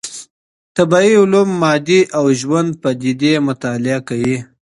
طبيعي علوم مادي او ژوندۍ پديدې مطالعه کوي.